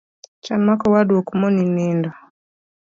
Chan ma ka owadu ok moni nindo